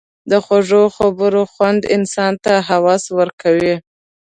د خوږو خبرو خوند انسان ته هوس ورکوي.